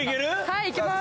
はいいけます。